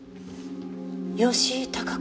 吉井孝子